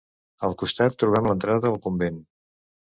Al costat trobem l'entrada al convent.